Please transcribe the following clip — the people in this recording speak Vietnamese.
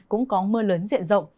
cũng có mưa lớn diện rộng